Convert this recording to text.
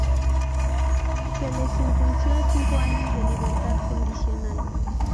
Se le sentenció a cinco años de libertad condicional.